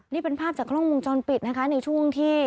นี่เป็นภาพจากกล้องวงจรปิดนะคะในช่วงที่